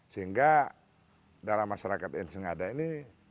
sehingga dalam masyarakat etnis ngada ini